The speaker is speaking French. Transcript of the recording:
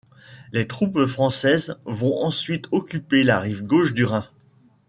Les troupes françaises vont ensuite occuper la rive gauche du Rhin.